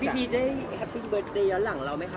พี่พีชได้แฮปปีเบอร์เตยาหลังเราไหมคะ